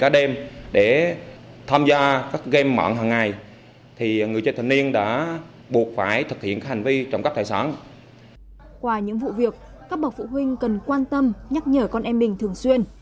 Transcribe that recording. qua những vụ việc các bậc phụ huynh cần quan tâm nhắc nhở con em mình thường xuyên